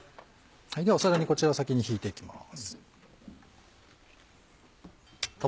では皿にこちらを先にひいていきます。